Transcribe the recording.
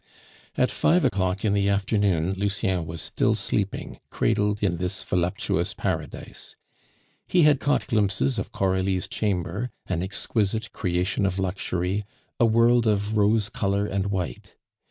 At five o'clock in the afternoon Lucien was still sleeping, cradled in this voluptuous paradise. He had caught glimpses of Coralie's chamber, an exquisite creation of luxury, a world of rose color and white.